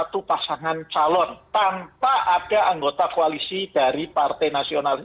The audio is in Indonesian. satu pasangan calon tanpa ada anggota koalisi dari partai nasional ini